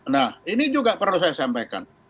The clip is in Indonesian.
nah ini juga perlu saya sampaikan